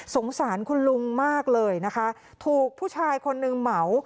สงสารคุณลุงมากเลยนะคะถูกผู้ชายคนนึงเหมา